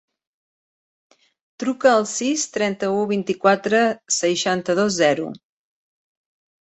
Truca al sis, trenta-u, vint-i-quatre, seixanta-dos, zero.